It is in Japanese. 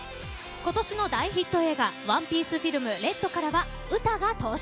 今年の大ヒット映画「ＯＮＥＰＩＥＣＥＦＩＬＭＲＥＤ」からはウタが登場。